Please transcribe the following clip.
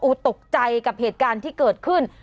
ตกใจกับเหตุการณ์ที่เกิดขึ้น